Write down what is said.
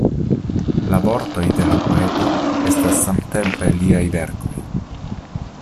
La vortoj de la poeto estas samtempe liaj verkoj.